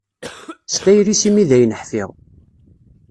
S tayri-s i mi dayen ḥfiɣ.